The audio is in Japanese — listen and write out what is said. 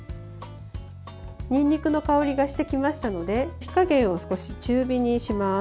にんにくの香りがしてきましたので火加減を少し中火にします。